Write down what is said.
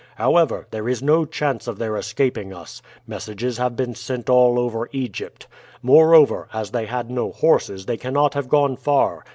However, there is no chance of their escaping us. Messages have been sent all over Egypt. Moreover, as they had no horses they cannot have gone far.